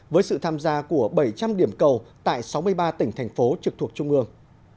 với sự tham gia của bảy trăm linh điểm cầu tại sáu mươi ba tỉnh thành phố trực thuộc trung ương